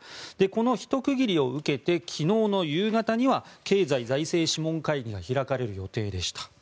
このひと区切りを受けて昨日の夕方には経済財政諮問会議が開かれる予定でした。